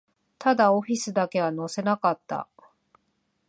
ただ、オフィスだけは乗せなかった